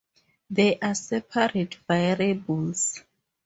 They are separate variables.